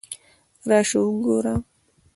راشه وګوره!